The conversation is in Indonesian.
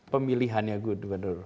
pemilihan ya gubernur